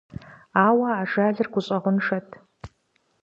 Ауэ ажалыр гущӀэгъуншэт…